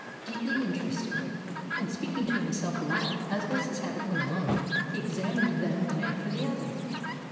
Deeply interested, and speaking to himself aloud, as was his habit when alone, he examined them one after the other.